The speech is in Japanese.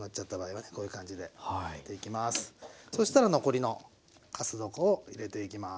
そしたら残りのかす床を入れていきます。